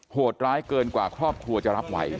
โหดร้ายเกินกว่าครอบครัวจะรับไหว